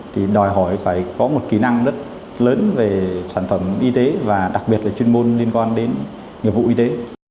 thì đòi hỏi phải có một kỹ năng rất lớn về sản phẩm y tế và đặc biệt là chuyên môn liên quan đến nghiệp vụ y tế